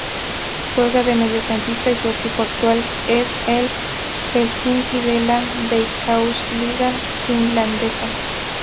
Juega de mediocampista y su equipo actual es el Helsinki de la Veikkausliiga finlandesa.